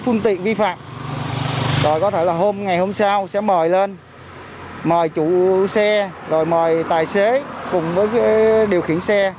phương tiện vi phạm có thể ngày hôm sau sẽ mời lên mời chủ xe mời tài xế cùng với điều khiển xe